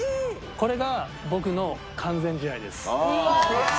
これが僕の完全試合です。